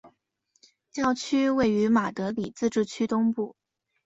教区位于马德里自治区东部。